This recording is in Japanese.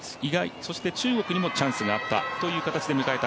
そして中国にもチャンスがあったという形で迎えた